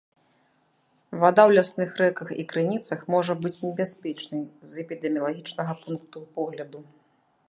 Вада ў лясных рэках і крыніцах можа быць небяспечнай з эпідэміялагічнага пункту погляду.